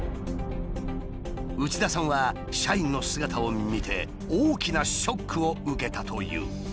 内田さんは社員の姿を見て大きなショックを受けたという。